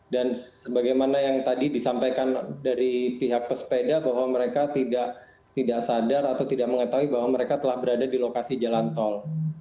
dan sebagaimana yang tadi disampaikan dari pihak pesepeda bahwa mereka tidak sadar atau tidak mengetahui bahwa mereka telah berada di lokasi jalan tol